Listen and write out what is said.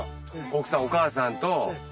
奥さんお母さんと。